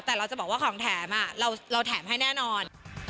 แต่เราจะบอกว่าของแถมเราแถมให้แน่นอน